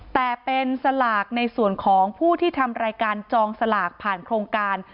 แต่เป็นสลากในส่วนของผู้ที่ทำรายการจองสลากผ่านโครงการ